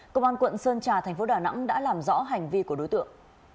công an quận sơn trà thành phố đà nẵng đã làm rõ hành vi của đối tượng